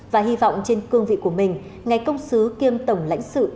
và hy vọng trên cương vị của mình ngài công sứ kiêm tổng lãnh sự